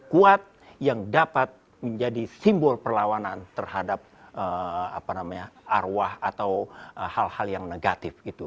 kuat yang dapat menjadi simbol perlawanan terhadap arwah atau hal hal yang negatif